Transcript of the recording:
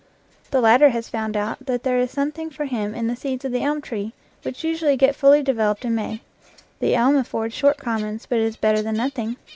The latter has found out that there is some thing for him in the seeds of the elm tree, which usually get fully developed in May. The elm affords short commons, but it is better than nothing.